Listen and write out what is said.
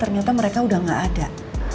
ternyata mereka udah gak ada